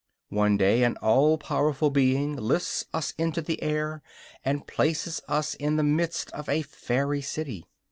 One day an all powerful being lifts us into the air and places us in the midst of a fairy city.